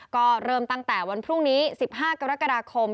ก็เริ่มตั้งแต่วันพรุ่งนี้๑๕กรกฎาคม